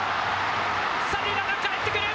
三塁ランナーが帰ってくる。